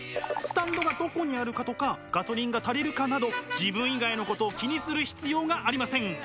スタンドがどこにあるかとかガソリンが足りるかなど自分以外のことを気にする必要がありません。